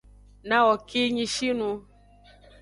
Nawo kinyishinu.